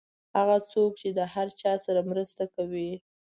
هغه څوک چې د هر چا سره مرسته کوي.